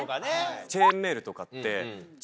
チェーンメールとかって。